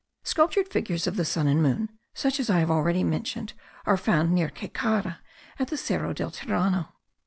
Sculptured figures of the sun and moon, such as I have already mentioned, are found near Caycara, at the Cerro del Tirano.